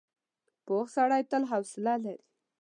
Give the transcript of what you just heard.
پوخ سړی تل حوصله لري